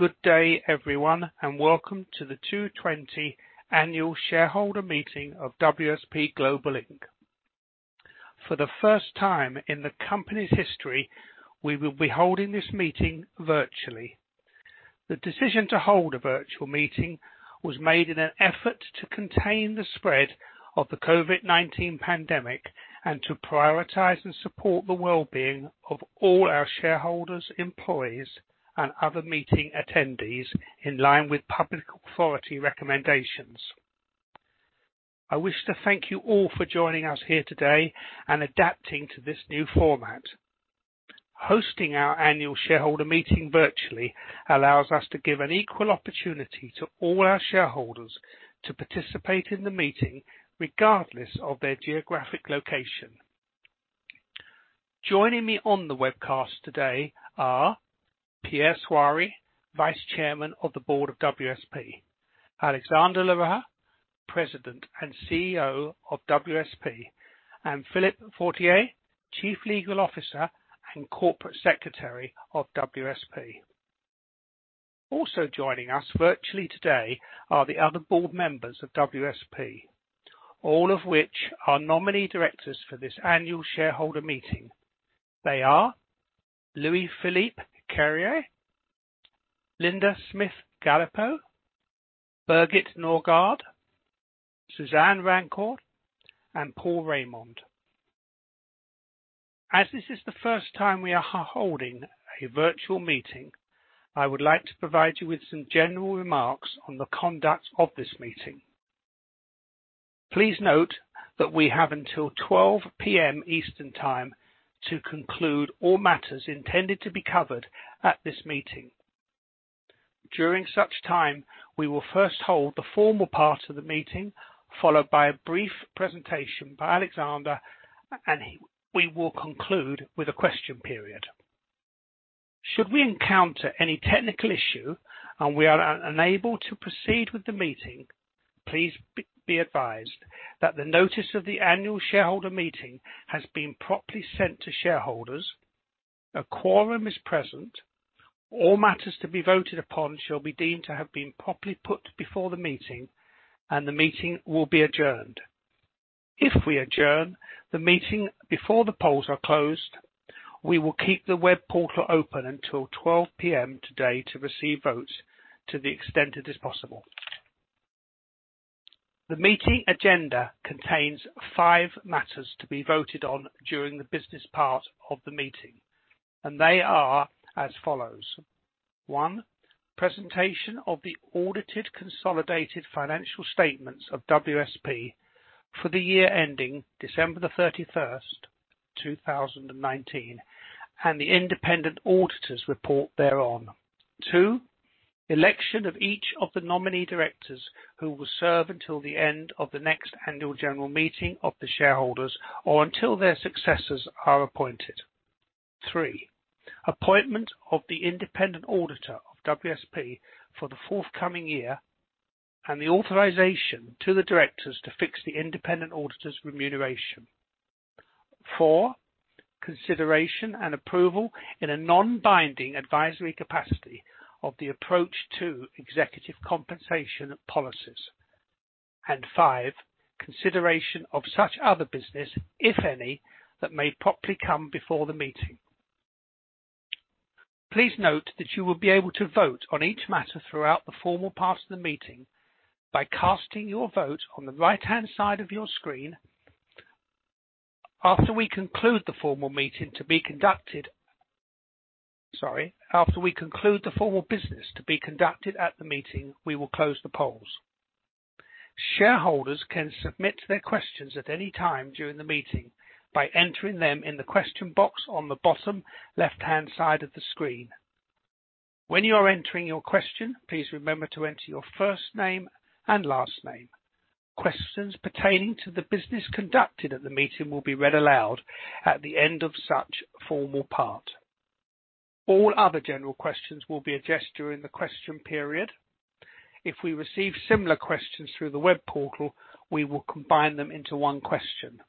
Good day, everyone, and welcome to the 2020 Annual Shareholder Meeting of WSP Global Inc. For the first time in the company's history, we will be holding this meeting virtually. The decision to hold a virtual meeting was made in an effort to contain the spread of the COVID-19 pandemic and to prioritize and support the well-being of all our shareholders, employees, and other meeting attendees in line with public authority recommendations. I wish to thank you all for joining us here today and adapting to this new format. Hosting our Annual Shareholder Meeting virtually allows us to give an equal opportunity to all our shareholders to participate in the meeting regardless of their geographic location. Joining me on the webcast today are Pierre Shoiry, Vice Chairman of the Board of WSP, Alexandre L'Heureux, President and CEO of WSP, and Philippe Fortier, Chief Legal Officer and Corporate Secretary of WSP. Also joining us virtually today are the other board members of WSP, all of which are nominee directors for this Annual Shareholder Meeting. They are Louis-Philippe Carrière, Linda Smith-Galipeau, Birgit Nørgaard, Suzanne Rancourt, and Paul Raymond. As this is the first time we are holding a virtual meeting, I would like to provide you with some general remarks on the conduct of this meeting. Please note that we have until 12:00 P.M. Eastern Time to conclude all matters intended to be covered at this meeting. During such time, we will first hold the formal part of the meeting, followed by a brief presentation by Alexandre, and we will conclude with a question period. Should we encounter any technical issue and we are unable to proceed with the meeting, please be advised that the notice of the Annual Shareholder Meeting has been properly sent to shareholders, a quorum is present, all matters to be voted upon shall be deemed to have been properly put before the meeting, and the meeting will be adjourned. If we adjourn the meeting before the polls are closed, we will keep the web portal open until 12:00 P.M. today to receive votes to the extent it is possible. The meeting agenda contains five matters to be voted on during the business part of the meeting, and they are as follows: one, presentation of the audited consolidated financial statements of WSP for the year ending December the 31st, 2019, and the independent auditor's report thereon, two, election of each of the nominee directors who will serve until the end of the next Annual General Meeting of the shareholders or until their successors are appointed, three, appointment of the independent auditor of WSP for the forthcoming year and the authorization to the directors to fix the independent auditor's remuneration, four, consideration and approval in a non-binding advisory capacity of the approach to executive compensation policies, and five, consideration of such other business, if any, that may properly come before the meeting. Please note that you will be able to vote on each matter throughout the formal part of the meeting by casting your vote on the right-hand side of your screen. After we conclude the formal meeting to be conducted, sorry, after we conclude the formal business to be conducted at the meeting, we will close the polls. Shareholders can submit their questions at any time during the meeting by entering them in the question box on the bottom left-hand side of the screen. When you are entering your question, please remember to enter your first name and last name. Questions pertaining to the business conducted at the meeting will be read aloud at the end of such formal part. All other general questions will be addressed during the question period. If we receive similar questions through the web portal, we will combine them into one question.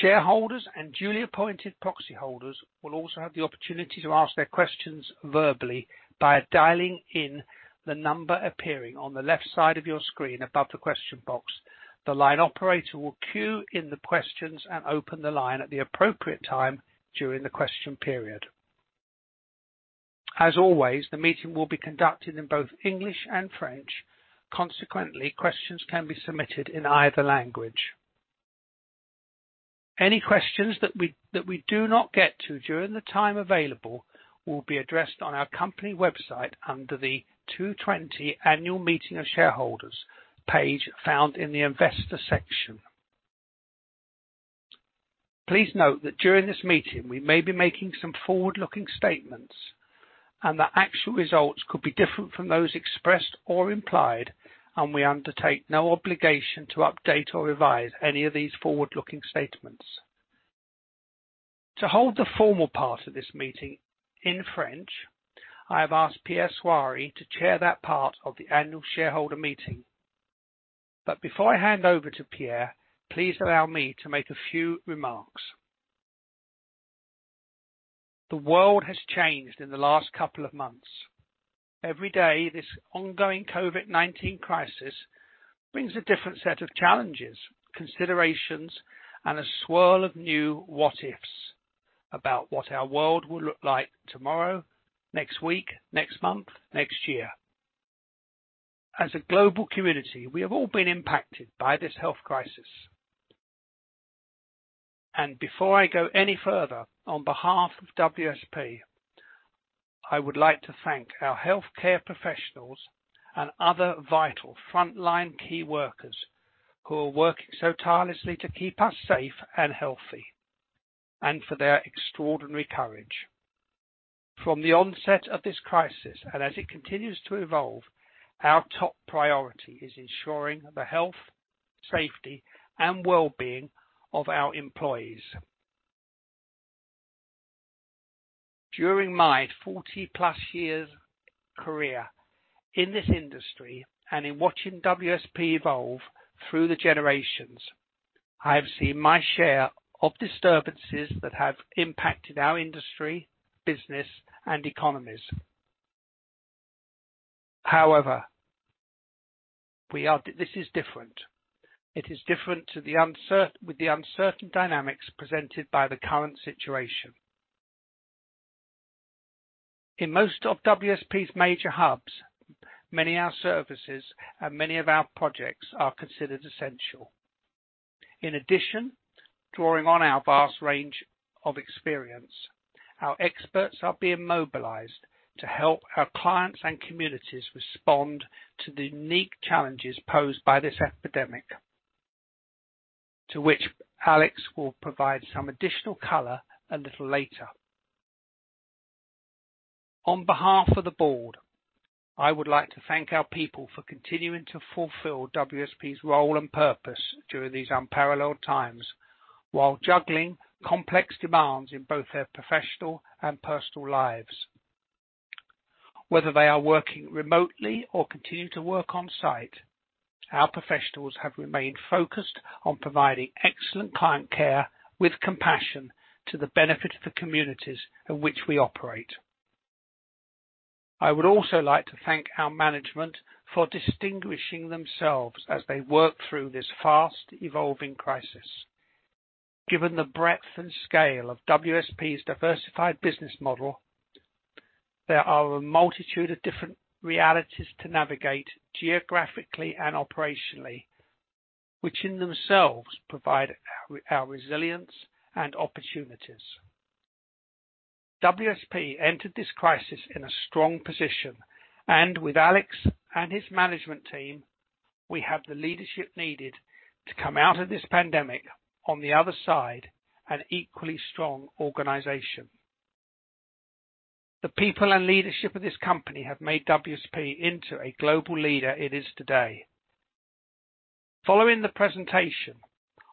Shareholders and duly appointed proxy holders will also have the opportunity to ask their questions verbally by dialing in the number appearing on the left side of your screen above the question box. The line operator will cue in the questions and open the line at the appropriate time during the question period. As always, the meeting will be conducted in both English and French. Consequently, questions can be submitted in either language. Any questions that we do not get to during the time available will be addressed on our company website under the 2020 Annual Meeting of Shareholders page found in the investor section. Please note that during this meeting, we may be making some forward-looking statements and the actual results could be different from those expressed or implied, and we undertake no obligation to update or revise any of these forward-looking statements. To hold the formal part of this meeting in French, I have asked Pierre Shoiry to chair that part of the Annual Shareholder Meeting. But before I hand over to Pierre, please allow me to make a few remarks. The world has changed in the last couple of months. Every day, this ongoing COVID-19 crisis brings a different set of challenges, considerations, and a swirl of new what-ifs about what our world will look like tomorrow, next week, next month, next year. As a global community, we have all been impacted by this health crisis. And before I go any further, on behalf of WSP, I would like to thank our healthcare professionals and other vital frontline key workers who are working so tirelessly to keep us safe and healthy and for their extraordinary courage. From the onset of this crisis and as it continues to evolve, our top priority is ensuring the health, safety, and well-being of our employees. During my 40-plus years' career in this industry and in watching WSP evolve through the generations, I have seen my share of disturbances that have impacted our industry, business, and economies. However, this is different. It is different with the uncertain dynamics presented by the current situation. In most of WSP's major hubs, many of our services and many of our projects are considered essential. In addition, drawing on our vast range of experience, our experts are being mobilized to help our clients and communities respond to the unique challenges posed by this epidemic, to which Alex will provide some additional color a little later. On behalf of the board, I would like to thank our people for continuing to fulfill WSP's role and purpose during these unparalleled times while juggling complex demands in both their professional and personal lives. Whether they are working remotely or continue to work on-site, our professionals have remained focused on providing excellent client care with compassion to the benefit of the communities in which we operate. I would also like to thank our management for distinguishing themselves as they work through this fast-evolving crisis. Given the breadth and scale of WSP's diversified business model, there are a multitude of different realities to navigate geographically and operationally, which in themselves provide our resilience and opportunities. WSP entered this crisis in a strong position, and with Alex and his management team, we have the leadership needed to come out of this pandemic on the other side an equally strong organization. The people and leadership of this company have made WSP into a global leader it is today. Following the presentation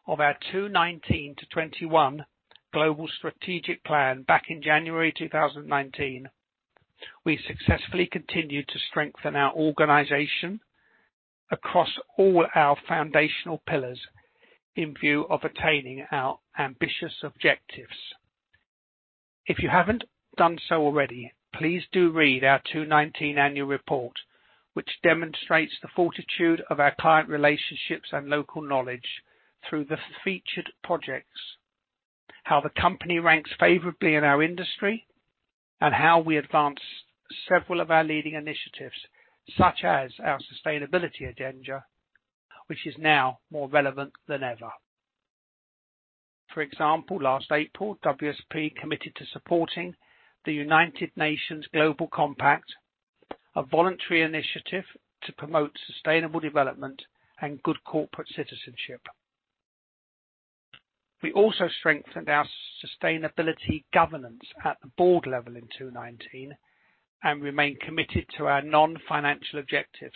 of our 2019-2021 Global Strategic Plan back in January 2019, we successfully continued to strengthen our organization across all our foundational pillars in view of attaining our ambitious objectives. If you haven't done so already, please do read our 2019 Annual Report, which demonstrates the fortitude of our client relationships and local knowledge through the featured projects, how the company ranks favorably in our industry, and how we advance several of our leading initiatives, such as our sustainability agenda, which is now more relevant than ever. For example, last April, WSP committed to supporting the United Nations Global Compact, a voluntary initiative to promote sustainable development and good corporate citizenship. We also strengthened our sustainability governance at the board level in 2019 and remain committed to our non-financial objectives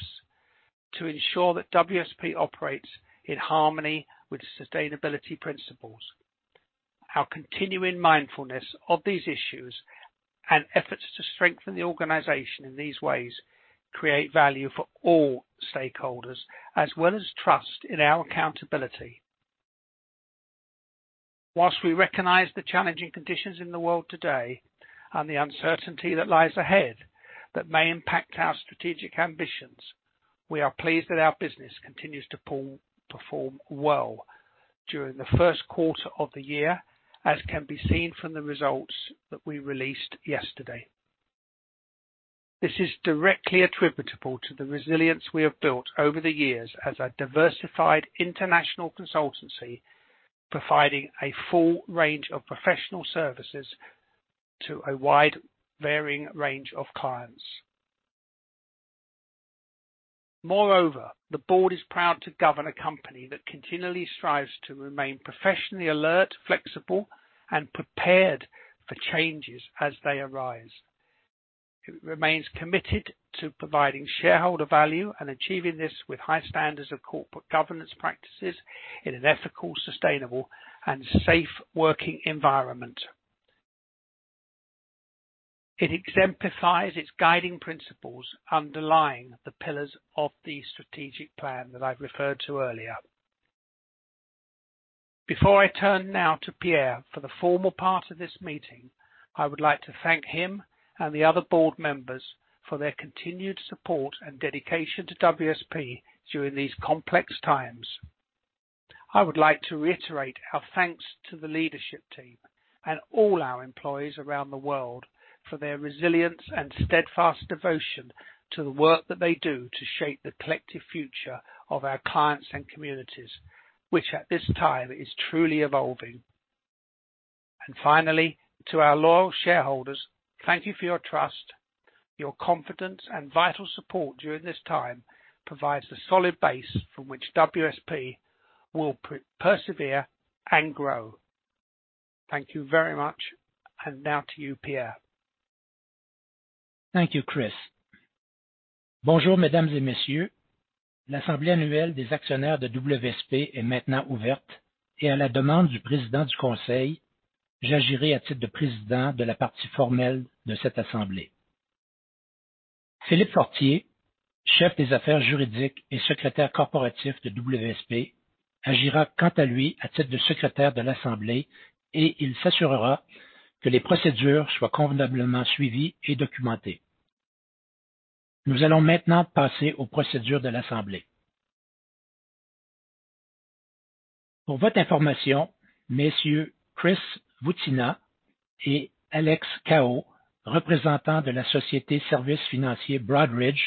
to ensure that WSP operates in harmony with sustainability principles. Our continuing mindfulness of these issues and efforts to strengthen the organization in these ways create value for all stakeholders, as well as trust in our accountability. While we recognize the challenging conditions in the world today and the uncertainty that lies ahead that may impact our strategic ambitions, we are pleased that our business continues to perform well during the first quarter of the year, as can be seen from the results that we released yesterday. This is directly attributable to the resilience we have built over the years as a diversified international consultancy, providing a full range of professional services to a wide varying range of clients. Moreover, the board is proud to govern a company that continually strives to remain professionally alert, flexible, and prepared for changes as they arise. It remains committed to providing shareholder value and achieving this with high standards of corporate governance practices in an ethical, sustainable, and safe working environment. It exemplifies its guiding principles underlying the pillars of the strategic plan that I've referred to earlier. Before I turn now to Pierre for the formal part of this meeting, I would like to thank him and the other board members for their continued support and dedication to WSP during these complex times. I would like to reiterate our thanks to the leadership team and all our employees around the world for their resilience and steadfast devotion to the work that they do to shape the collective future of our clients and communities, which at this time is truly evolving. And finally, to our loyal shareholders, thank you for your trust. Your confidence and vital support during this time provides a solid base from which WSP will persevere and grow. Thank you very much, and now to you, Pierre. Thank you, Chris. Bonjour, Mesdames et Messieurs. L'assemblée annuelle des actionnaires de WSP est maintenant ouverte et, à la demande du président du conseil, j'agirai à titre de président de la partie formelle de cette assemblée. Philippe Fortier, chef des affaires juridiques et secrétaire corporatif de WSP, agira quant à lui à titre de secrétaire de l'assemblée et il s'assurera que les procédures soient convenablement suivies et documentées. Nous allons maintenant passer aux procédures de l'assemblée. Pour votre information, Messieurs Chris Voutinas et Alex Cao, représentants de la société Broadridge Financial Solutions,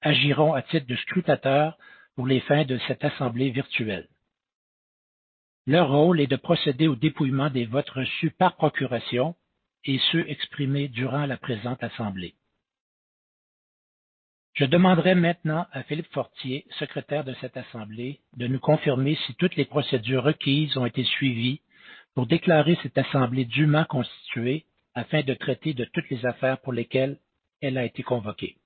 agiront à titre de scrutateurs pour les fins de cette assemblée virtuelle. Leur rôle est de procéder au dépouillement des votes reçus par procuration et ceux exprimés durant la présente assemblée. Je demanderai maintenant à Philippe Fortier, secrétaire de cette assemblée, de nous confirmer si toutes les procédures requises ont été suivies pour déclarer cette assemblée dûment constituée afin de traiter de toutes les affaires pour lesquelles elle a été convoquée.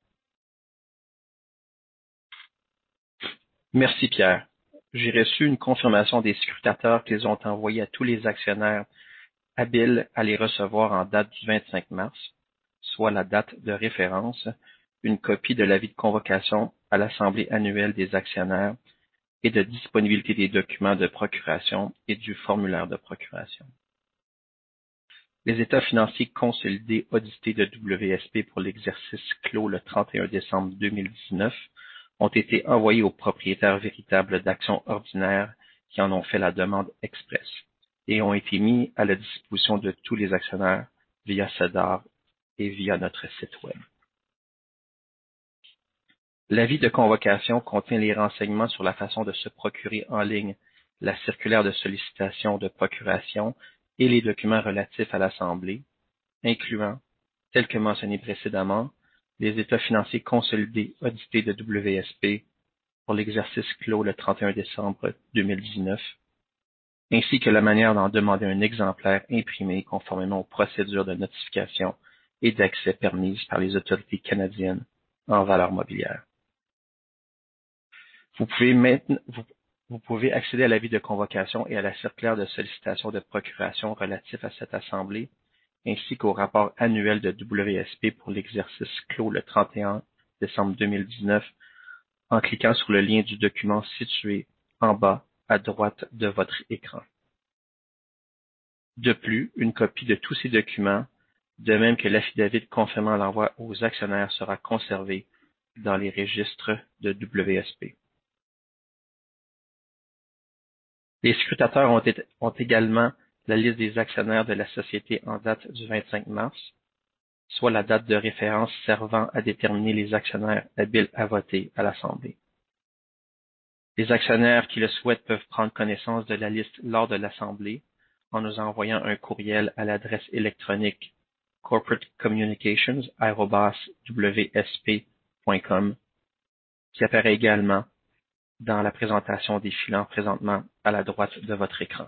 Merci, Pierre. J'ai reçu une confirmation des scrutateurs qu'ils ont envoyée à tous les actionnaires habiles à les recevoir en date du 25 mars, soit la date de référence, une copie de l'avis de convocation à l'assemblée annuelle des actionnaires et de disponibilité des documents de procuration et du formulaire de procuration. Les états financiers consolidés audités de WSP pour l'exercice clos le 31 décembre 2019 ont été envoyés aux propriétaires véritables d'actions ordinaires qui en ont fait la demande expresse et ont été mis à la disposition de tous les actionnaires via SEDAR et via notre site web. L'avis de convocation contient les renseignements sur la façon de se procurer en ligne la circulaire de sollicitation de procuration et les documents relatifs à l'assemblée, incluant, tel que mentionné précédemment, les états financiers consolidés audités de WSP pour l'exercice clos le 31 décembre 2019, ainsi que la manière d'en demander un exemplaire imprimé conformément aux procédures de notification et d'accès permises par les autorités canadiennes en valeurs mobilières. Vous pouvez accéder à l'avis de convocation et à la circulaire de sollicitation de procuration relative à cette assemblée, ainsi qu'au rapport annuel de WSP pour l'exercice clos le 31 décembre 2019, en cliquant sur le lien du document situé en bas à droite de votre écran. De plus, une copie de tous ces documents, de même que l'affidavit confirmant l'envoi aux actionnaires, sera conservée dans les registres de WSP. Les scrutateurs ont également la liste des actionnaires de la société en date du 25 mars, soit la date de référence servant à déterminer les actionnaires habiles à voter à l'assemblée. Les actionnaires qui le souhaitent peuvent prendre connaissance de la liste lors de l'assemblée en nous envoyant un courriel à l'adresse électronique corporatecommunications@wsp.com, qui apparaît également dans la présentation défilant présentement à la droite de votre écran.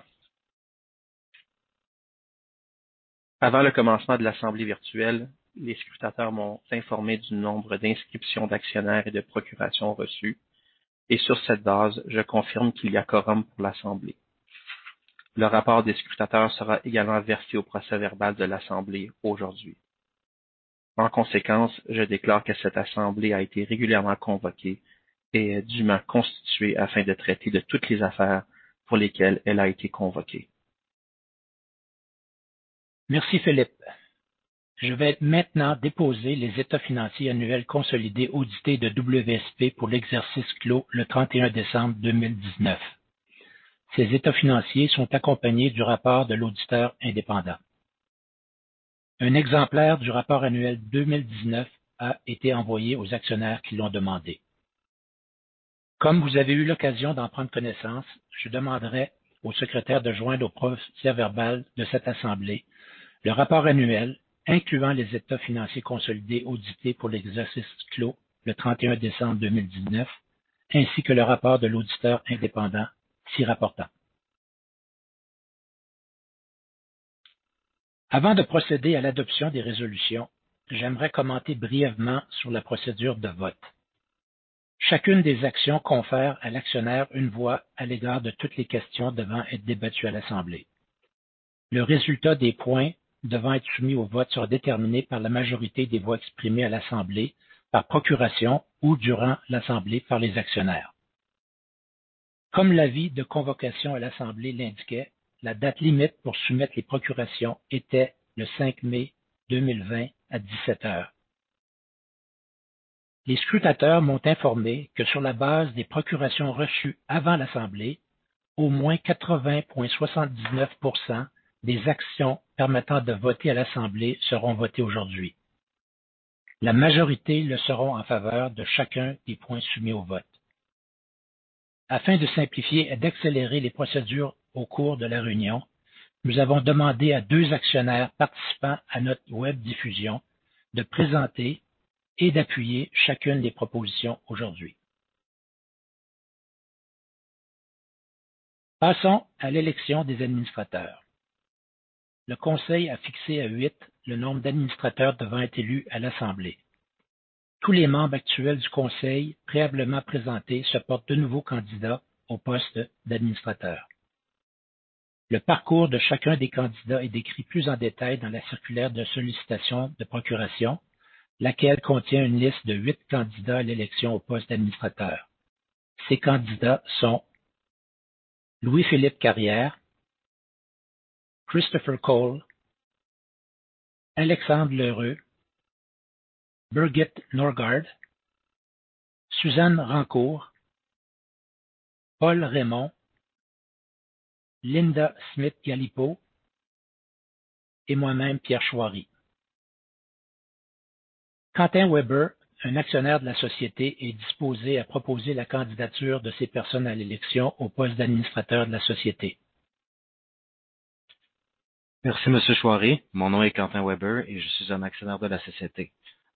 Avant le commencement de l'assemblée virtuelle, les scrutateurs m'ont informé du nombre d'inscriptions d'actionnaires et de procurations reçues, et sur cette base, je confirme qu'il y a quorum pour l'assemblée. Le rapport des scrutateurs sera également versé au procès-verbal de l'assemblée aujourd'hui. En conséquence, je déclare que cette assemblée a été régulièrement convoquée et est dûment constituée afin de traiter de toutes les affaires pour lesquelles elle a été convoquée. Merci, Philippe. Je vais maintenant déposer les états financiers annuels consolidés audités de WSP pour l'exercice clos le 31 décembre 2019. Ces états financiers sont accompagnés du rapport de l'auditeur indépendant. Un exemplaire du rapport annuel 2019 a été envoyé aux actionnaires qui l'ont demandé. Comme vous avez eu l'occasion d'en prendre connaissance, je demanderai au secrétaire de joindre au procès-verbal de cette assemblée le rapport annuel incluant les états financiers consolidés audités pour l'exercice clos le 31 décembre 2019, ainsi que le rapport de l'auditeur indépendant s'y rapportant. Avant de procéder à l'adoption des résolutions, j'aimerais commenter brièvement sur la procédure de vote. Chacune des actions confère à l'actionnaire une voix à l'égard de toutes les questions devant être débattues à l'assemblée. Le résultat des points devant être soumis au vote sera déterminé par la majorité des voix exprimées à l'assemblée par procuration ou durant l'assemblée par les actionnaires. Comme l'avis de convocation à l'assemblée l'indiquait, la date limite pour soumettre les procurations était le 5 mai 2020 à 17 h. Les scrutateurs m'ont informé que, sur la base des procurations reçues avant l'assemblée, au moins 80.79% des actions permettant de voter à l'assemblée seront votées aujourd'hui. La majorité le seront en faveur de chacun des points soumis au vote. Afin de simplifier et d'accélérer les procédures au cours de la réunion, nous avons demandé à deux actionnaires participant à notre webdiffusion de présenter et d'appuyer chacune des propositions aujourd'hui. Passons à l'élection des administrateurs. Le conseil a fixé à huit le nombre d'administrateurs devant être élus à l'assemblée. Tous les membres actuels du conseil préalablement présentés se portent de nouveaux candidats au poste d'administrateur. Le parcours de chacun des candidats est décrit plus en détail dans la circulaire de sollicitation de procuration, laquelle contient une liste de huit candidats à l'élection au poste d'administrateur. Ces candidats sont Louis-Philippe Carrière, Christopher Cole, Alexandre L'Heureux, Birgit Nørgaard, Suzanne Rancourt, Paul Raymond, Linda Smith-Galipeau et moi-même, Pierre Shoiry. Quentin Weber, un actionnaire de la société, est disposé à proposer la candidature de ces personnes à l'élection au poste d'administrateur de la société. Merci, M. Shoiry. Mon nom est Quentin Weber et je suis un actionnaire de la société.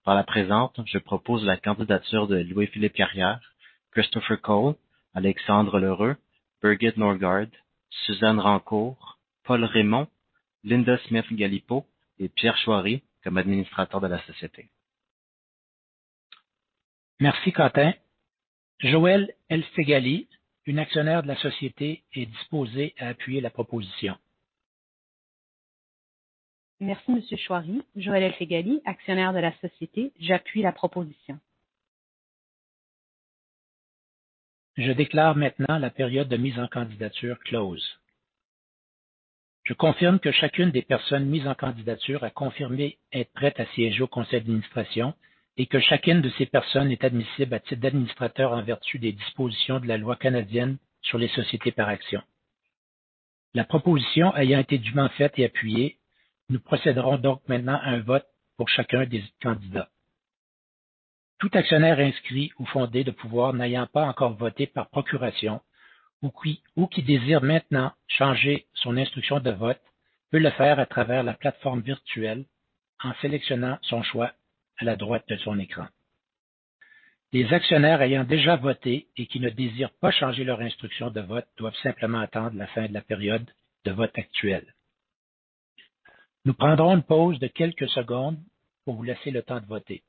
Par la présente, je propose la candidature de Louis-Philippe Carrière, Christopher Cole, Alexandre L'Heureux, Birgit Nørgaard, Suzanne Rancourt, Paul Raymond, Linda Smith-Galipeau et Pierre Shoiry comme administrateurs de la société. Merci, Quentin. Joëlle El-Feghali, une actionnaire de la société, est disposée à appuyer la proposition. Merci, M. Shoiry. Joëlle El-Feghali, actionnaire de la société, j'appuie la proposition. Je déclare maintenant la période de mise en candidature close. Je confirme que chacune des personnes mises en candidature a confirmé être prête à siéger au conseil d'administration et que chacune de ces personnes est admissible à titre d'administrateur en vertu des dispositions de la Loi canadienne sur les sociétés par actions. La proposition ayant été dûment faite et appuyée, nous procéderons donc maintenant à un vote pour chacun des candidats. Tout actionnaire inscrit ou fondé de pouvoir n'ayant pas encore voté par procuration ou qui désire maintenant changer son instruction de vote peut le faire à travers la plateforme virtuelle en sélectionnant son choix à la droite de son écran. Les actionnaires ayant déjà voté et qui ne désirent pas changer leur instruction de vote doivent simplement attendre la fin de la période de vote actuelle. Nous prendrons une pause de quelques secondes pour vous laisser le temps de voter.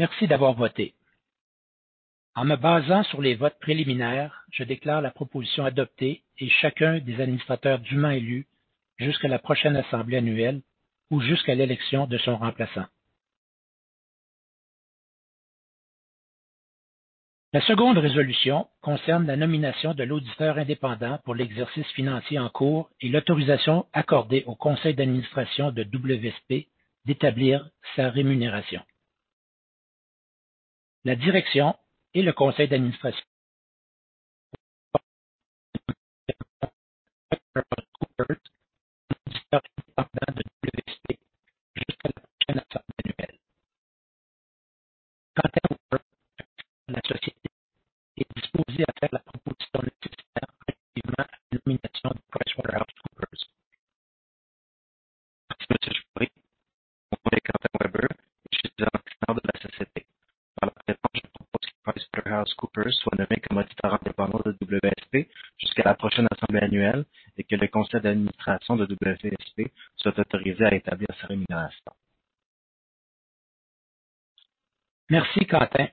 Merci d'avoir voté. En me basant sur les votes préliminaires, je déclare la proposition adoptée et chacun des administrateurs dûment élus jusqu'à la prochaine assemblée annuelle ou jusqu'à l'élection de son remplaçant. La seconde résolution concerne la nomination de l'auditeur indépendant pour l'exercice financier en cours et l'autorisation accordée au conseil d'administration de WSP d'établir sa rémunération. La direction et le conseil d'administration de WSP jusqu'à la prochaine assemblée annuelle. Quentin Weber, actionnaire de la société, est disposé à faire la proposition nécessitant activement la nomination de PricewaterhouseCoopers. Merci, M. Shoiry. Mon nom est Quentin Weber, et je suis un actionnaire de la société. Par la présente, je propose que PricewaterhouseCoopers soit nommé comme auditeur indépendant de WSP jusqu'à la prochaine assemblée annuelle et que le conseil d'administration de WSP soit autorisé à établir sa rémunération. Merci, Quentin.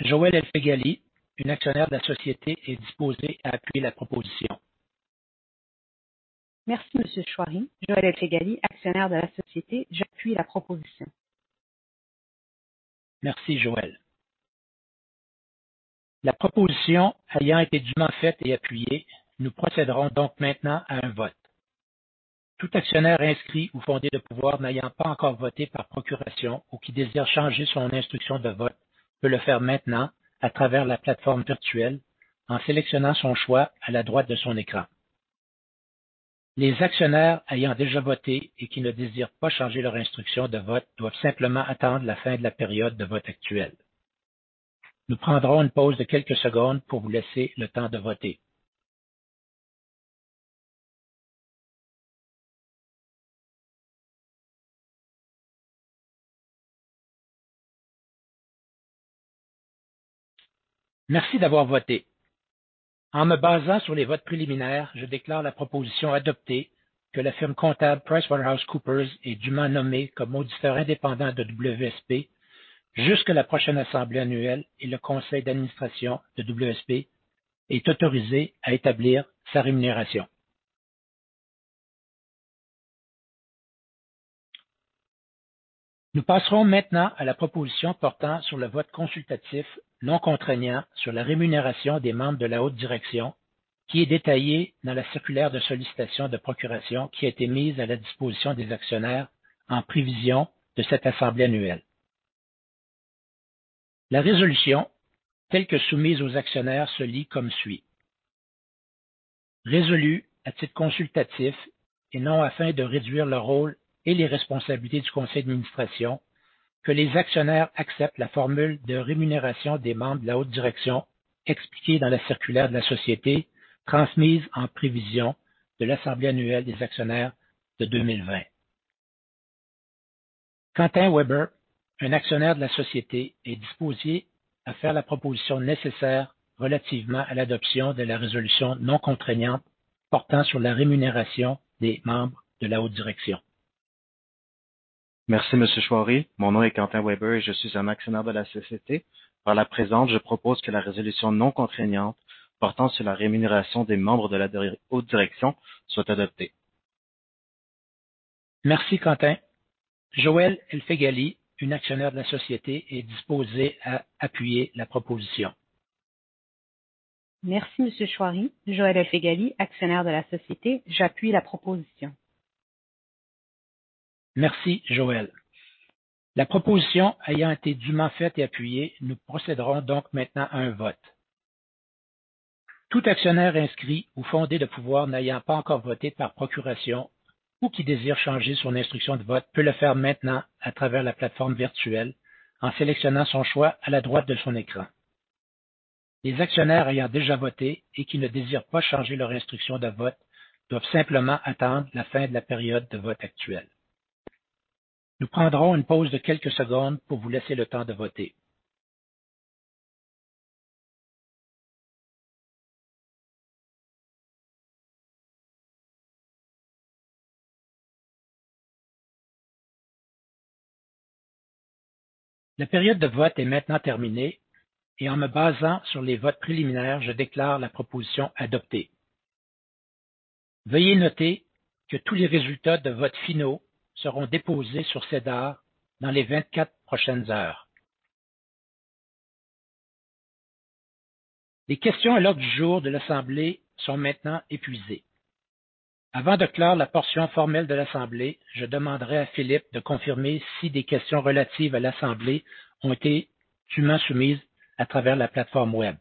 Joëlle El-Feghali, une actionnaire de la société, est disposée à appuyer la proposition. Merci, M. Shoiry. Joëlle El-Feghali, actionnaire de la société, j'appuie la proposition. Merci, Joëlle. La proposition ayant été dûment faite et appuyée, nous procéderons donc maintenant à un vote. Tout actionnaire inscrit ou fondé de pouvoir n'ayant pas encore voté par procuration ou qui désire changer son instruction de vote peut le faire maintenant à travers la plateforme virtuelle en sélectionnant son choix à la droite de son écran. Les actionnaires ayant déjà voté et qui ne désirent pas changer leur instruction de vote doivent simplement attendre la fin de la période de vote actuelle. Nous prendrons une pause de quelques secondes pour vous laisser le temps de voter. Merci d'avoir voté. En me basant sur les votes préliminaires, je déclare la proposition adoptée que la firme comptable PricewaterhouseCoopers est dûment nommée comme auditeur indépendant de WSP jusqu'à la prochaine assemblée annuelle et le conseil d'administration de WSP est autorisé à établir sa rémunération. Nous passerons maintenant à la proposition portant sur le vote consultatif non contraignant sur la rémunération des membres de la haute direction, qui est détaillée dans la circulaire de sollicitation de procuration qui a été mise à la disposition des actionnaires en prévision de cette assemblée annuelle. La résolution, telle que soumise aux actionnaires, se lit comme suit: Résolue à titre consultatif et non afin de réduire le rôle et les responsabilités du conseil d'administration, que les actionnaires acceptent la formule de rémunération des membres de la haute direction expliquée dans la circulaire de la société transmise en prévision de l'assemblée annuelle des actionnaires de 2020. Quentin Weber, un actionnaire de la société, est disposé à faire la proposition nécessaire relativement à l'adoption de la résolution non contraignante portant sur la rémunération des membres de la haute direction. Merci, M. Shoiry. Mon nom est Quentin Weber et je suis un actionnaire de la société. Par la présente, je propose que la résolution non contraignante portant sur la rémunération des membres de la haute direction soit adoptée. Merci, Quentin. Joëlle El-Feghali, une actionnaire de la société, est disposé à appuyer la proposition. Merci, M. Shoiry. Joëlle El-Feghali, actionnaire de la société, j'appuie la proposition. Merci, Joëlle. La proposition ayant été dûment faite et appuyée, nous procéderons donc maintenant à un vote. Tout actionnaire inscrit ou fondé de pouvoir n'ayant pas encore voté par procuration ou qui désire changer son instruction de vote peut le faire maintenant à travers la plateforme virtuelle en sélectionnant son choix à la droite de son écran. Les actionnaires ayant déjà voté et qui ne désirent pas changer leur instruction de vote doivent simplement attendre la fin de la période de vote actuelle. Nous prendrons une pause de quelques secondes pour vous laisser le temps de voter. La période de vote est maintenant terminée et, en me basant sur les votes préliminaires, je déclare la proposition adoptée. Veuillez noter que tous les résultats de vote finaux seront déposés sur SEDAR dans les 24 prochaines heures. Les questions à l'ordre du jour de l'assemblée sont maintenant épuisées. Avant de clore la portion formelle de l'assemblée, je demanderai à Philippe de confirmer si des questions relatives à l'assemblée ont été dûment soumises à travers la plateforme web.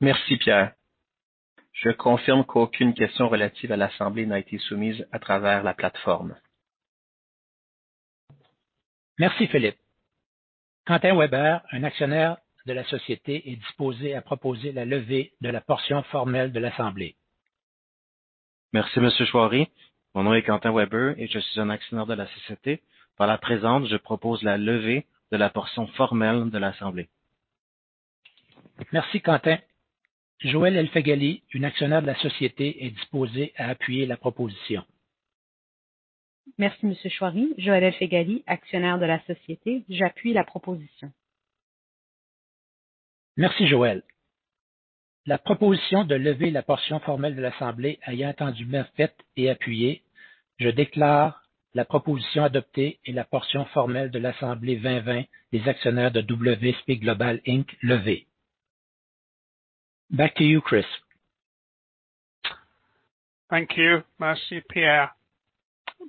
Merci, Pierre. Je confirme qu'aucune question relative à l'assemblée n'a été soumise à travers la plateforme. Merci, Philippe. Quentin Weber, un actionnaire de la société, est disposé à proposer la levée de la portion formelle de l'assemblée. Merci, M. Shoiry. Mon nom est Quentin Weber et je suis un actionnaire de la société. Par la présente, je propose la levée de la portion formelle de l'assemblée. Merci, Quentin. Joëlle El-Feghali, une actionnaire de la société, est disposée à appuyer la proposition. Merci, M. Shoiry. Joëlle El-Feghali, actionnaire de la société, j'appuie la proposition. Merci, Joëlle. La proposition de lever la portion formelle de l'assemblée ayant été dûment faite et appuyée, je déclare la proposition adoptée et la portion formelle de l'assemblée 2020 des actionnaires de WSP Global Inc. levée. Back to you, Chris. Thank you. Merci, Pierre.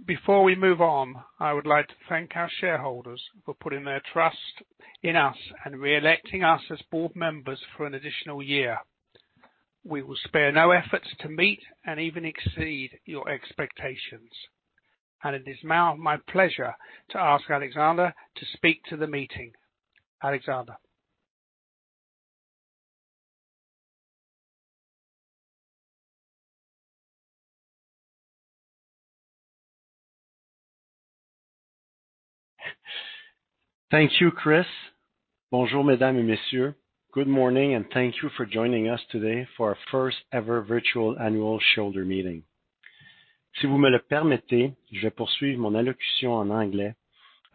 Before we move on, I would like to thank our shareholders for putting their trust in us and re-electing us as board members for an additional year. We will spare no efforts to meet and even exceed your expectations. It is now my pleasure to ask Alexandre to speak to the meeting. Alexandre. Thank you, Chris. Bonjour, Mesdames et Messieurs. Good morning and thank you for joining us today for our first ever virtual annual shareholders meeting. Si vous me le permettez, je vais poursuivre mon allocution en anglais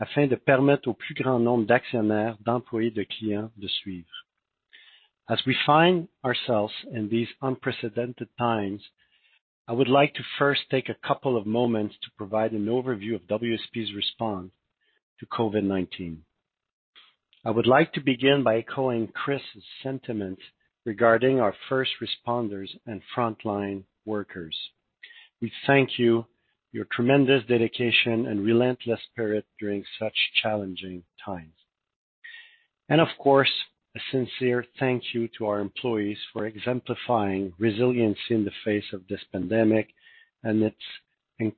afin de permettre au plus grand nombre d'actionnaires, d'employés, de clients de suivre. As we find ourselves in these unprecedented times, I would like to first take a couple of moments to provide an overview of WSP's response to COVID-19. I would like to begin by echoing Chris' sentiments regarding our first responders and frontline workers. We thank you for your tremendous dedication and relentless spirit during such challenging times. And, of course, a sincere thank you to our employees for exemplifying resilience in the face of this pandemic and its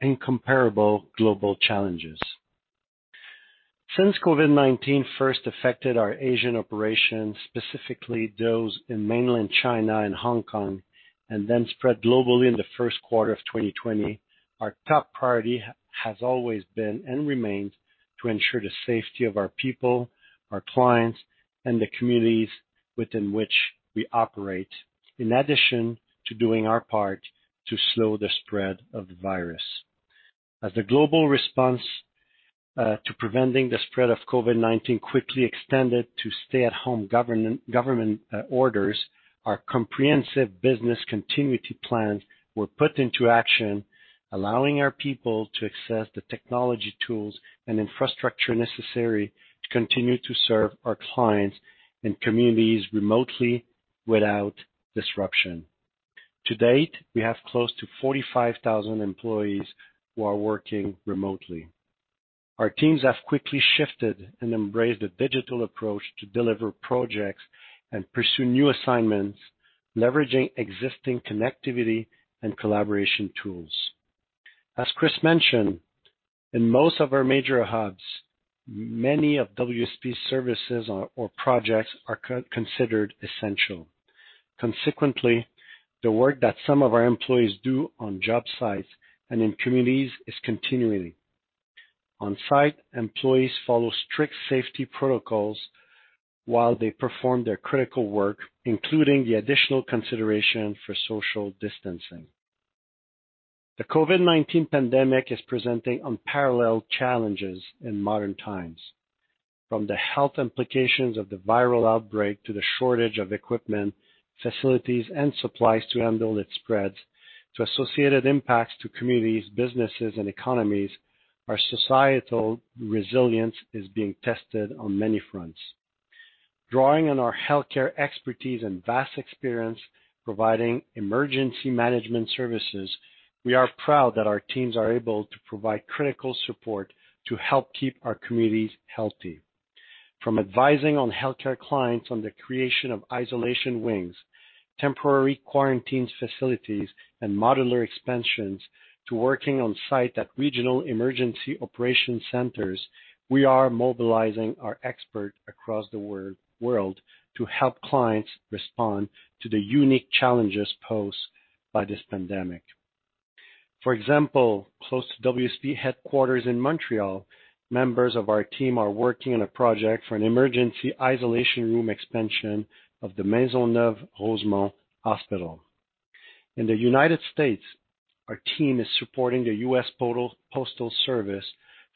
incomparable global challenges. Since COVID-19 first affected our Asian operations, specifically those in mainland China and Hong Kong, and then spread globally in the first quarter of 2020, our top priority has always been and remains to ensure the safety of our people, our clients, and the communities within which we operate, in addition to doing our part to slow the spread of the virus. As the global response to preventing the spread of COVID-19 quickly extended to stay-at-home government orders, our comprehensive business continuity plans were put into action, allowing our people to access the technology tools and infrastructure necessary to continue to serve our clients and communities remotely without disruption. To date, we have close to 45,000 employees who are working remotely. Our teams have quickly shifted and embraced a digital approach to deliver projects and pursue new assignments, leveraging existing connectivity and collaboration tools. As Chris mentioned, in most of our major hubs, many of WSP's services or projects are considered essential. Consequently, the work that some of our employees do on job sites and in communities is continuing. On-site, employees follow strict safety protocols while they perform their critical work, including the additional consideration for social distancing. The COVID-19 pandemic is presenting unparalleled challenges in modern times. From the health implications of the viral outbreak to the shortage of equipment, facilities, and supplies to handle its spread, to associated impacts to communities, businesses, and economies, our societal resilience is being tested on many fronts. Drawing on our healthcare expertise and vast experience providing emergency management services, we are proud that our teams are able to provide critical support to help keep our communities healthy. From advising healthcare clients on the creation of isolation wings, temporary quarantine facilities, and modular expansions, to working on-site at regional emergency operations centers, we are mobilizing our experts across the world to help clients respond to the unique challenges posed by this pandemic. For example, close to WSP headquarters in Montreal, members of our team are working on a project for an emergency isolation room expansion of the Maisonneuve-Rosemont Hospital. In the United States, our team is supporting the U.S. Postal Service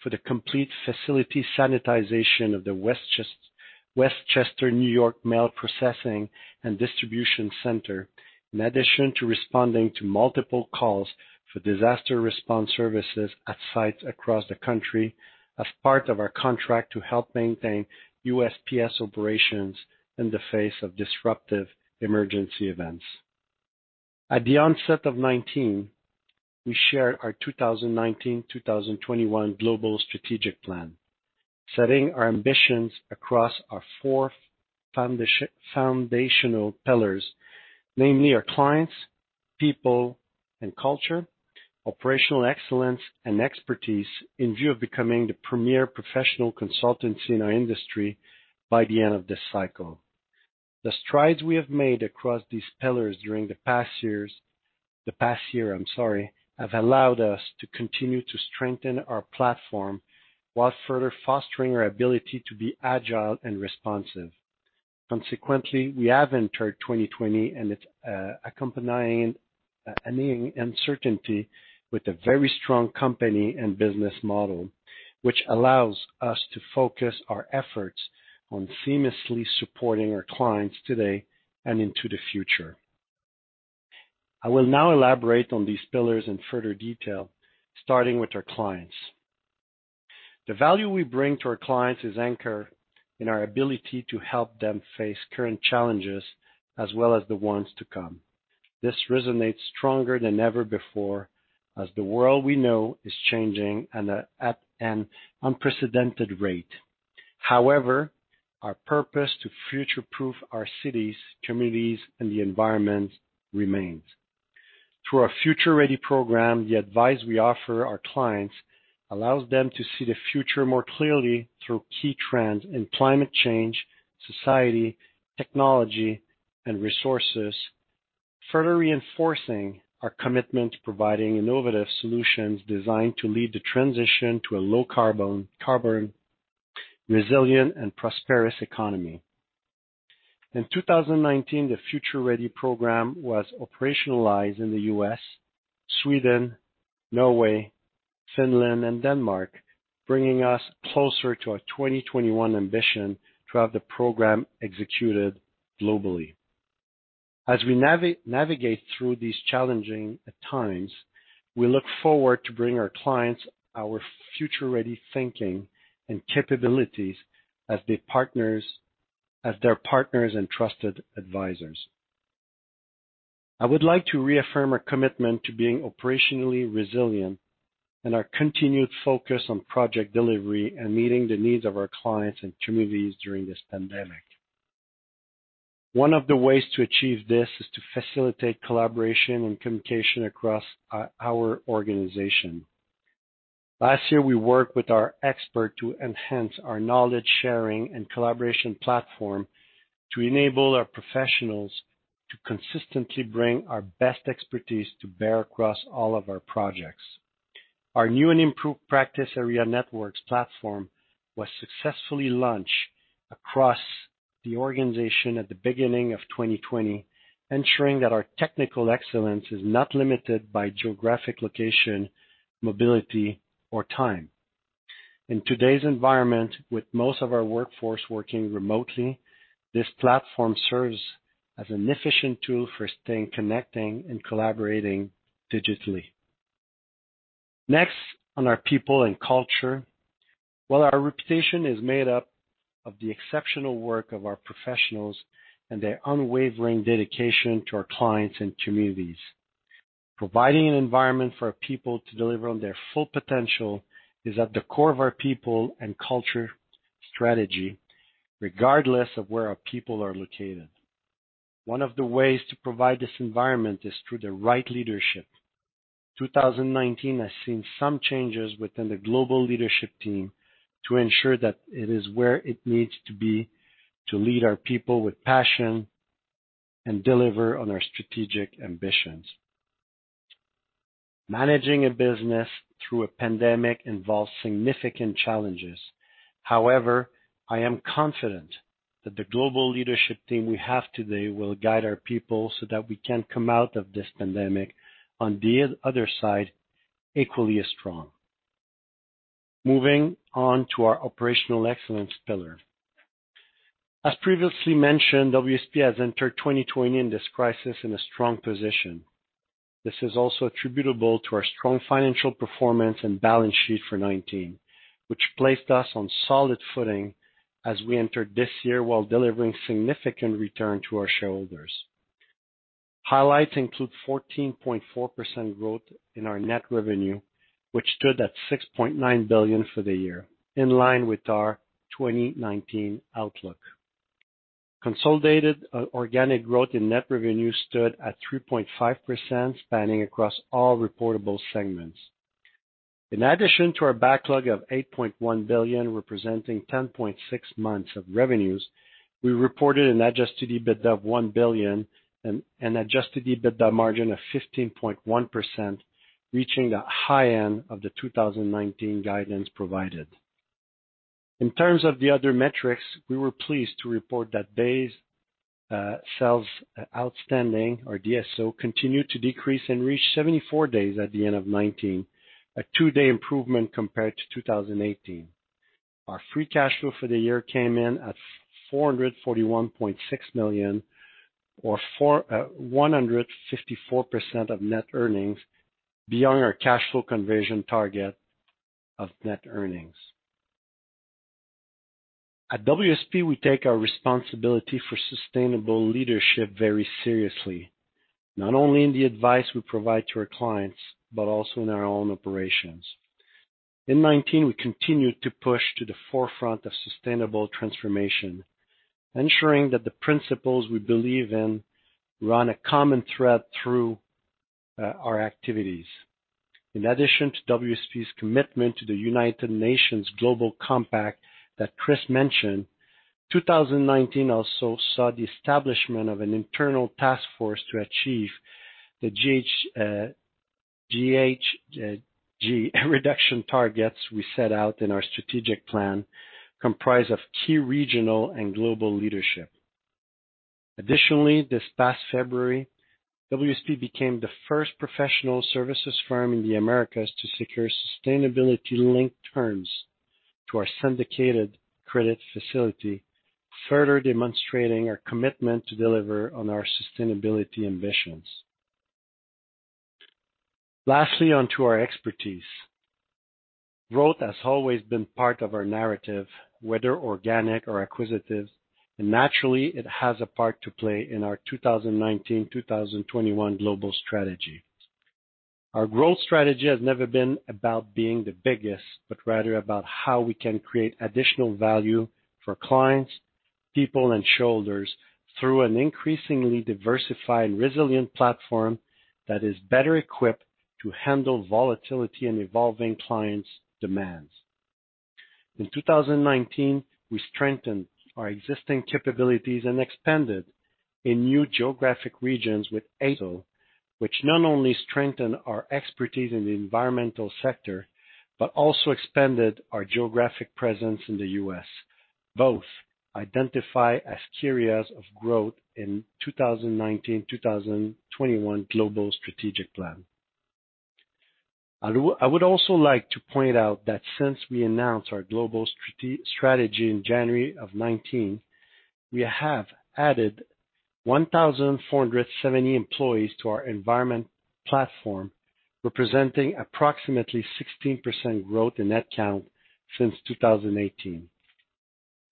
for the complete facility sanitization of the Westchester, New York, mail processing and distribution center, in addition to responding to multiple calls for disaster response services at sites across the country as part of our contract to help maintain USPS operations in the face of disruptive emergency events. At the onset of 2019, we shared our 2019-2021 Global Strategic Plan, setting our ambitions across our four foundational pillars, namely our clients, people, and culture, operational excellence, and expertise in view of becoming the premier professional consultancy in our industry by the end of this cycle. The strides we have made across these pillars during the past year, the past year, I'm sorry, have allowed us to continue to strengthen our platform while further fostering our ability to be agile and responsive. Consequently, we have entered 2020 in accompanying uncertainty with a very strong company and business model, which allows us to focus our efforts on seamlessly supporting our clients today and into the future. I will now elaborate on these pillars in further detail, starting with our clients. The value we bring to our clients is anchored in our ability to help them face current challenges as well as the ones to come. This resonates stronger than ever before as the world we know is changing at an unprecedented rate. However, our purpose to future-proof our cities, communities, and the environment remains. Through our Future Ready program, the advice we offer our clients allows them to see the future more clearly through key trends in climate change, society, technology, and resources, further reinforcing our commitment to providing innovative solutions designed to lead the transition to a low-carbon, resilient, and prosperous economy. In 2019, the Future Ready program was operationalized in the U.S., Sweden, Norway, Finland, and Denmark, bringing us closer to our 2021 ambition to have the program executed globally. As we navigate through these challenging times, we look forward to bringing our clients our Future Ready thinking and capabilities as their partners and trusted advisors. I would like to reaffirm our commitment to being operationally resilient and our continued focus on project delivery and meeting the needs of our clients and communities during this pandemic. One of the ways to achieve this is to facilitate collaboration and communication across our organization. Last year, we worked with our experts to enhance our knowledge-sharing and collaboration platform to enable our professionals to consistently bring our best expertise to bear across all of our projects. Our new and improved Practice Area Networks platform was successfully launched across the organization at the beginning of 2020, ensuring that our technical excellence is not limited by geographic location, mobility, or time. In today's environment, with most of our workforce working remotely, this platform serves as an efficient tool for staying connected and collaborating digitally. Next, on our people and culture, well, our reputation is made up of the exceptional work of our professionals and their unwavering dedication to our clients and communities. Providing an environment for our people to deliver on their full potential is at the core of our people and culture strategy, regardless of where our people are located. One of the ways to provide this environment is through the right leadership. 2019 has seen some changes within the global leadership team to ensure that it is where it needs to be to lead our people with passion and deliver on our strategic ambitions. Managing a business through a pandemic involves significant challenges. However, I am confident that the global leadership team we have today will guide our people so that we can come out of this pandemic on the other side equally as strong. Moving on to our operational excellence pillar. As previously mentioned, WSP has entered 2020 in this crisis in a strong position. This is also attributable to our strong financial performance and balance sheet for 2019, which placed us on solid footing as we entered this year while delivering significant returns to our shareholders. Highlights include 14.4% growth in our net revenue, which stood at 6.9 billion for the year, in line with our 2019 outlook. Consolidated organic growth in net revenue stood at 3.5%, spanning across all reportable segments. In addition to our backlog of 8.1 billion representing 10.6 months of revenues, we reported an Adjusted EBITDA of 1 billion and an Adjusted EBITDA margin of 15.1%, reaching the high end of the 2019 guidance provided. In terms of the other metrics, we were pleased to report that day sales outstanding, or DSO, continued to decrease and reach 74 days at the end of 2019, a two-day improvement compared to 2018. Our free cash flow for the year came in at 441.6 million, or 154% of net earnings, beyond our cash flow conversion target of net earnings. At WSP, we take our responsibility for sustainable leadership very seriously, not only in the advice we provide to our clients but also in our own operations. In 2019, we continued to push to the forefront of sustainable transformation, ensuring that the principles we believe in run a common thread through our activities. In addition to WSP's commitment to the United Nations Global Compact that Chris mentioned, 2019 also saw the establishment of an internal task force to achieve the GHG reduction targets we set out in our strategic plan, comprised of key regional and global leadership. Additionally, this past February, WSP became the first professional services firm in the Americas to secure sustainability-linked terms to our syndicated credit facility, further demonstrating our commitment to deliver on our sustainability ambitions. Lastly, onto our expertise. Growth has always been part of our narrative, whether organic or acquisitive, and naturally, it has a part to play in our 2019-2021 global strategy. Our growth strategy has never been about being the biggest, but rather about how we can create additional value for clients, people, and shareholders through an increasingly diversified and resilient platform that is better equipped to handle volatility and evolving clients' demands. In 2019, we strengthened our existing capabilities and expanded in new geographic regions with ASO, which not only strengthened our expertise in the environmental sector but also expanded our geographic presence in the U.S. Both identify as key areas of growth in the 2019-2021 Global Strategic Plan. I would also like to point out that since we announced our global strategy in January of 2019, we have added 1,470 employees to our environment platform, representing approximately 16% growth in net count since 2018.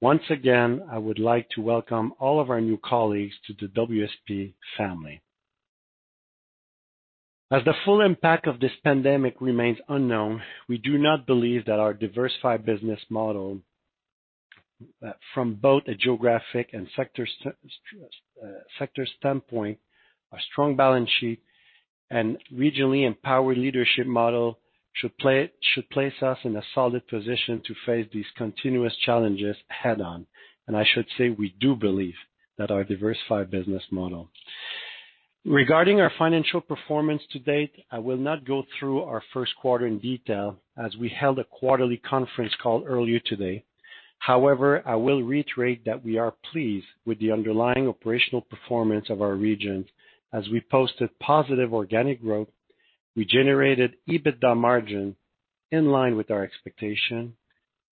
Once again, I would like to welcome all of our new colleagues to the WSP family. As the full impact of this pandemic remains unknown, we do not believe that our diversified business model, from both a geographic and sector standpoint, our strong balance sheet, and regionally empowered leadership model should place us in a solid position to face these continuous challenges head-on, and I should say we do believe that our diversified business model. Regarding our financial performance to date, I will not go through our first quarter in detail as we held a quarterly conference call earlier today. However, I will reiterate that we are pleased with the underlying operational performance of our region. As we posted positive organic growth, we generated EBITDA margin in line with our expectation.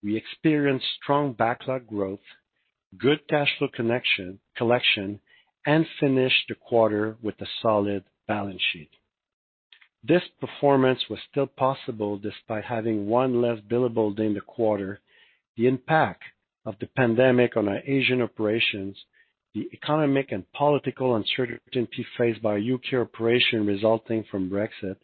We experienced strong backlog growth, good cash flow collection, and finished the quarter with a solid balance sheet. This performance was still possible despite having one less billable during the quarter. The impact of the pandemic on our Asian operations, the economic and political uncertainty faced by U.K. operations resulting from Brexit,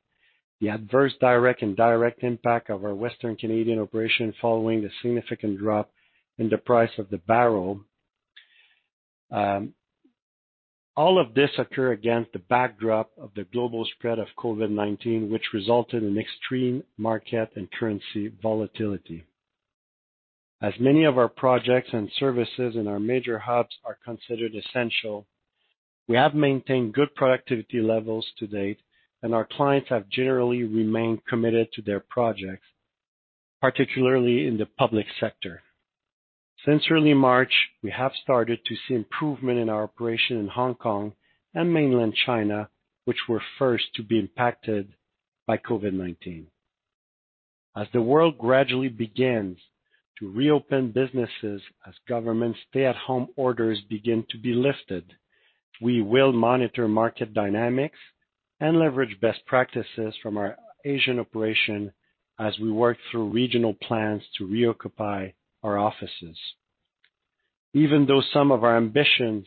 the adverse direct and indirect impact of our Western Canadian operation following the significant drop in the price of the barrel. All of this occurred against the backdrop of the global spread of COVID-19, which resulted in extreme market and currency volatility. As many of our projects and services in our major hubs are considered essential, we have maintained good productivity levels to date, and our clients have generally remained committed to their projects, particularly in the public sector. Since early March, we have started to see improvement in our operation in Hong Kong and Mainland China, which were first to be impacted by COVID-19. As the world gradually begins to reopen businesses as government stay-at-home orders begin to be lifted, we will monitor market dynamics and leverage best practices from our Asian operation as we work through regional plans to reoccupy our offices. Even though some of our ambitions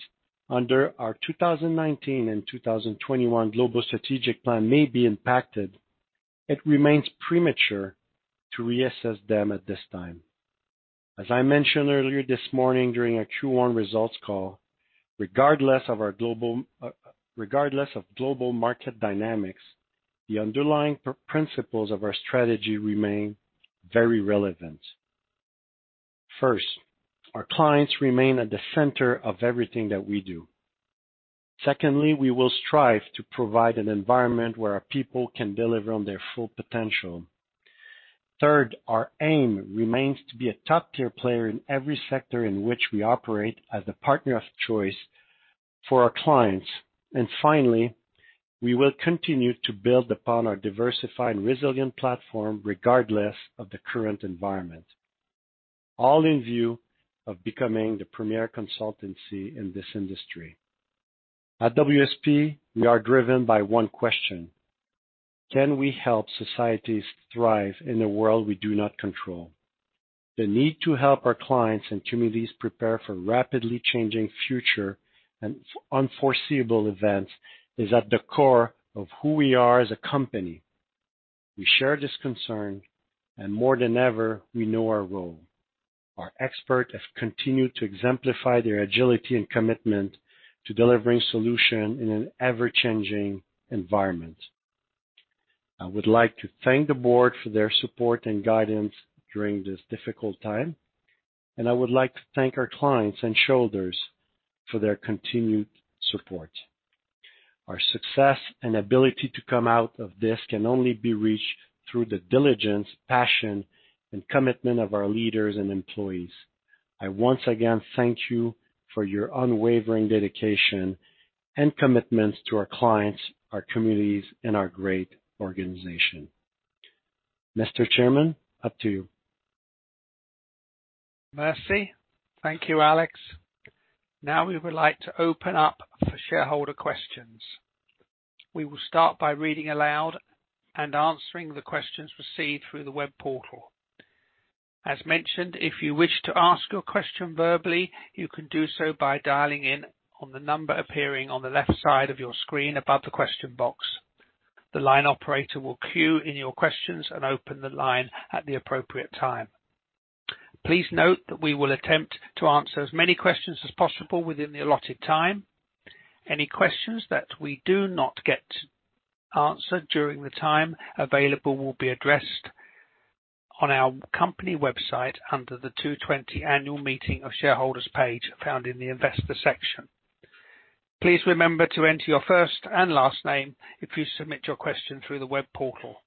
under our 2019 and 2021 Global Strategic Plan may be impacted, it remains premature to reassess them at this time. As I mentioned earlier this morning during our Q1 results call, regardless of global market dynamics, the underlying principles of our strategy remain very relevant. First, our clients remain at the center of everything that we do. Secondly, we will strive to provide an environment where our people can deliver on their full potential. Third, our aim remains to be a top-tier player in every sector in which we operate as a partner of choice for our clients. Finally, we will continue to build upon our diversified and resilient platform regardless of the current environment, all in view of becoming the premier consultancy in this industry. At WSP, we are driven by one question: Can we help societies thrive in a world we do not control? The need to help our clients and communities prepare for rapidly changing future and unforeseeable events is at the core of who we are as a company. We share this concern, and more than ever, we know our role. Our experts have continued to exemplify their agility and commitment to delivering solutions in an ever-changing environment. I would like to thank the board for their support and guidance during this difficult time, and I would like to thank our clients and shareholders for their continued support. Our success and ability to come out of this can only be reached through the diligence, passion, and commitment of our leaders and employees. I once again thank you for your unwavering dedication and commitment to our clients, our communities, and our great organization. Mr. Chairman, up to you. Merci. Thank you, Alex. Now we would like to open up for shareholder questions. We will start by reading aloud and answering the questions received through the web portal. As mentioned, if you wish to ask your question verbally, you can do so by dialing in on the number appearing on the left side of your screen above the question box. The line operator will queue in your questions and open the line at the appropriate time. Please note that we will attempt to answer as many questions as possible within the allotted time. Any questions that we do not get answered during the time available will be addressed on our company website under the 2020 annual meeting of shareholders page found in the investor section. Please remember to enter your first and last name if you submit your question through the web portal.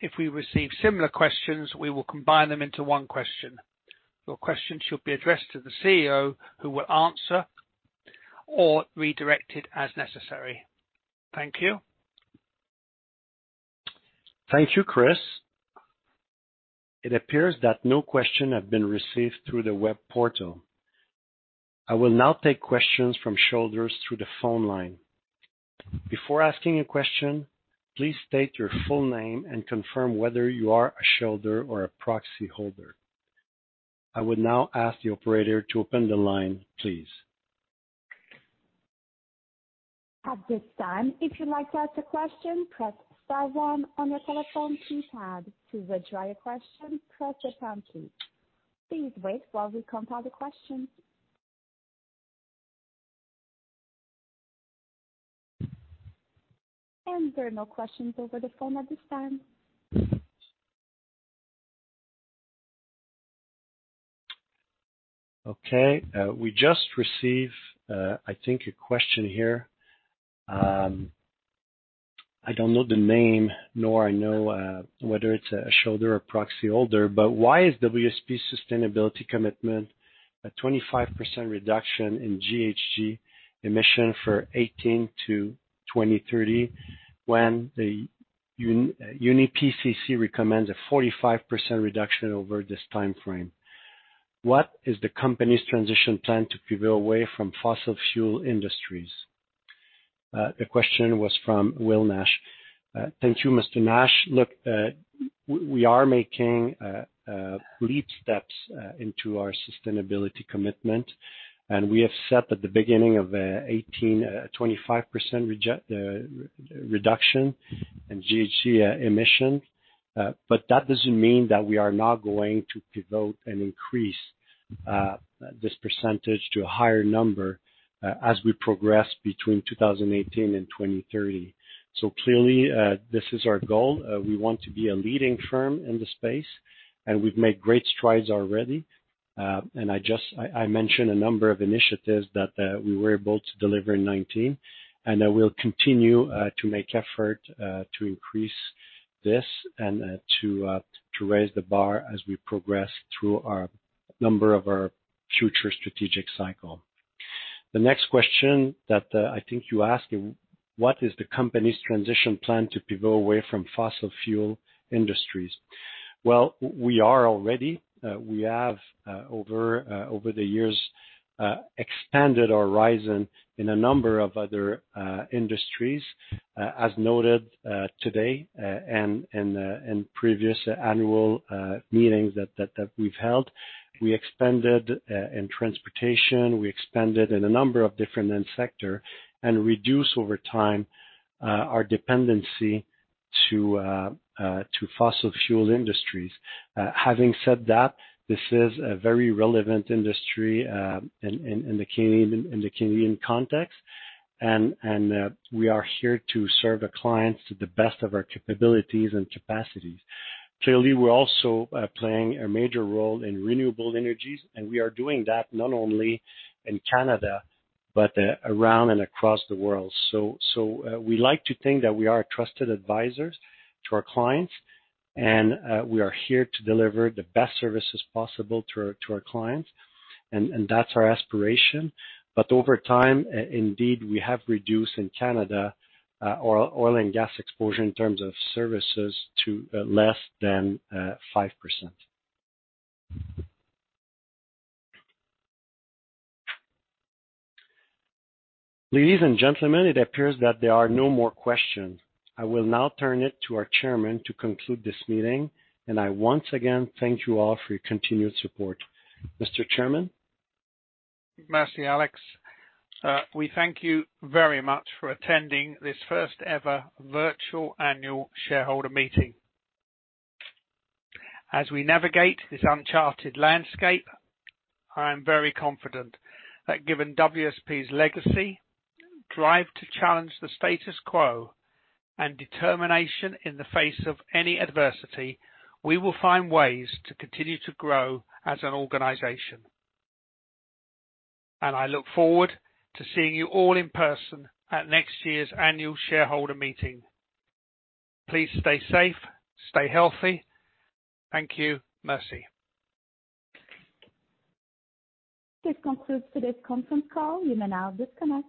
If we receive similar questions, we will combine them into one question. Your question should be addressed to the CEO, who will answer or redirect it as necessary. Thank you. Thank you, Chris. It appears that no question has been received through the web portal. I will now take questions from shareholders through the phone line. Before asking a question, please state your full name and confirm whether you are a shareholder or a proxy holder. I would now ask the operator to open the line, please. At this time, if you'd like to ask a question, press star one on your telephone keypad. To withdraw your question, press the pound key. Please wait while we compile the questions. There are no questions over the phone at this time. Okay. We just received, I think, a question here. I don't know the name, nor I know whether it's a shareholder or proxy holder, but why is WSP's sustainability commitment a 25% reduction in GHG emission for 2018 to 2030 when the IPCC recommends a 45% reduction over this timeframe? What is the company's transition plan to pivot away from fossil fuel industries? The question was from Will Nash. Thank you, Mr. Nash. Look, we are making leap steps into our sustainability commitment, and we have said at the beginning of 2018, a 25% reduction in GHG emission, but that doesn't mean that we are not going to pivot and increase this percentage to a higher number as we progress between 2018 and 2030. So clearly, this is our goal. We want to be a leading firm in the space, and we've made great strides already. And I mentioned a number of initiatives that we were able to deliver in 2019, and we'll continue to make effort to increase this and to raise the bar as we progress through a number of our future strategic cycle. The next question that I think you asked is, what is the company's transition plan to pivot away from fossil fuel industries? Well, we are already. We have, over the years, expanded our horizon in a number of other industries, as noted today and in previous annual meetings that we've held. We expanded in transportation. We expanded in a number of different sectors and reduced over time our dependency to fossil fuel industries. Having said that, this is a very relevant industry in the Canadian context, and we are here to serve our clients to the best of our capabilities and capacities. Clearly, we're also playing a major role in renewable energies, and we are doing that not only in Canada but around and across the world. So we like to think that we are trusted advisors to our clients, and we are here to deliver the best services possible to our clients, and that's our aspiration. Over time, indeed, we have reduced in Canada oil and gas exposure in terms of services to less than 5%. Ladies and gentlemen, it appears that there are no more questions. I will now turn it to our Chairman to conclude this meeting, and I once again thank you all for your continued support. Mr. Chairman? Merci, Alex. We thank you very much for attending this first-ever virtual annual shareholder meeting. As we navigate this uncharted landscape, I am very confident that given WSP's legacy, drive to challenge the status quo, and determination in the face of any adversity, we will find ways to continue to grow as an organization. I look forward to seeing you all in person at next year's annual shareholder meeting. Please stay safe. Stay healthy. Thank you. Merci. This concludes today's conference call. You may now disconnect.